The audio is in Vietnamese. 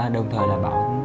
đồng thời là bảo